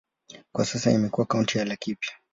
Kwa sasa imekuwa kaunti ya Laikipia.